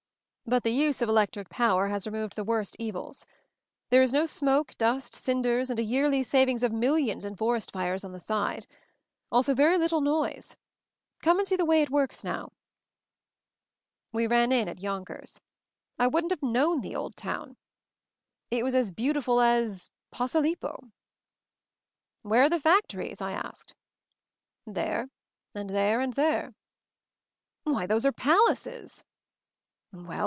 But the use of electric power has removed the worst evils. There is no smoke, dust, cinders, and a yearly saving of millions in forest fires on the side ! Also very little noise. Come and see the way it works now." We ran in at Yonkers. I wouldn't have 172 MOVING THE MOUNTAIN known the old town. It was as beautiful as — Posilippo." "Where are the factories ?" I asked. "There — and there — and there." "Why, those are palaces l" "Well?